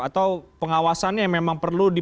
atau pengawasannya memang perlu di